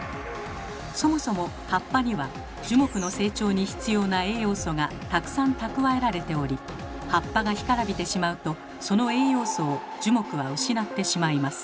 そもそも葉っぱには樹木の成長に必要な栄養素がたくさん蓄えられており葉っぱが干からびてしまうとその栄養素を樹木は失ってしまいます。